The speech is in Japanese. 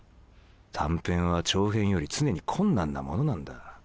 短編は長編より常に困難なものなんだ。